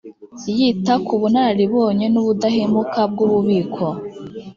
yita ku bunararibonye n’ubudakemwa bw’ububiko